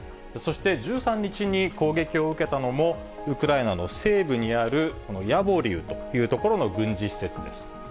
そして１３日に攻撃を受けたのも、ウクライナの西部にあるこのヤボリウという所の軍事施設です。